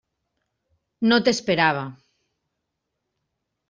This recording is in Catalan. No t'esperava.